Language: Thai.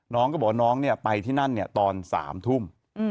น้องก็บอกว่าน้องไปที่นั่นตอน๓ทุ่ม